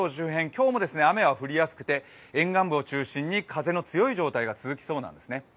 今日も雨が降りやすくて沿岸部を中心に風の強い状況が続きそうなんですね。